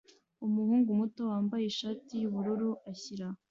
Umuhungu muto wambaye ishati yubururu ashyira